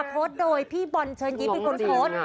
โพสต์โดยพี่บอลเชิญยิ้มเป็นคนโพสต์